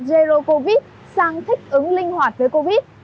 zero covid sang thích ứng linh hoạt với covid